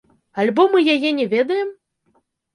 Альбо мы яе не ведаем?